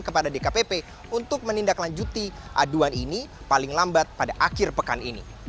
kepada dkpp untuk menindaklanjuti aduan ini paling lambat pada akhir pekan ini